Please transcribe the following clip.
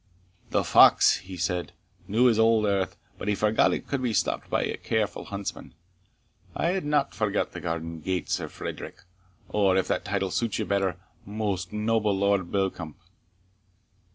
"The fox," he said, "knew his old earth, but he forgot it could be stopped by a careful huntsman. I had not forgot the garden gate, Sir Frederick or, if that title suits you better, most noble Lord Beauchamp."